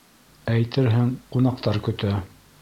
Әйтерһең, ҡунаҡтар көтә.